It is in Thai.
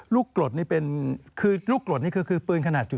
กรดนี่เป็นคือลูกกรดนี่คือปืนขนาดจุด